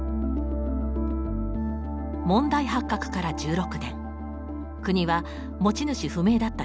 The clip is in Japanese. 問題発覚から１６年国は持ち主不明だった